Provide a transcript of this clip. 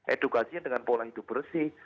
edukasinya dengan pola hidup bersih